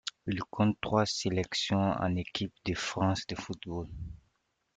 Il compte trois sélections en équipe de France de football.